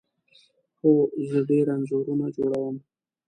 هو، زه ډیر انځورونه جوړوم